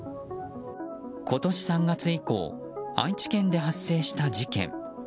今年３月以降愛知県で発生した事件。